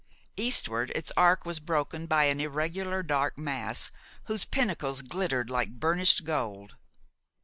Eastward its arc was broken by an irregular dark mass, whose pinnacles glittered like burnished gold.